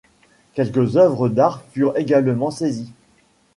Quelques œuvres d'art furent également saisies.